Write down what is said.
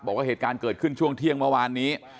บอกว่าเหตุการณ์เกิดขึ้นช่วงเที่ยงเมื่อวานนี้